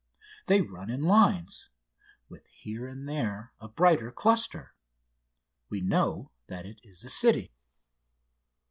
They run in lines, with here and there a brighter cluster. We know that it is a city.